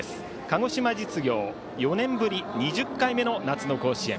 鹿児島実業４年ぶり２０回目の夏の甲子園。